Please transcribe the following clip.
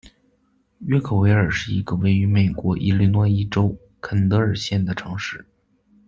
约克维尔是一个位于美国伊利诺伊州肯德尔县的城市。